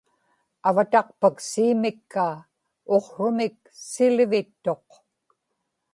avataqpak siimikkaa; uqsrumik silivittuq